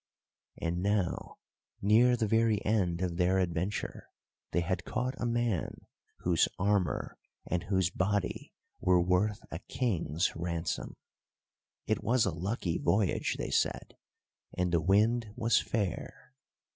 And now, near the very end of their adventure, they had caught a man whose armour and whose body were worth a king's ransom. It was a lucky voyage, they said, and the wind was fair!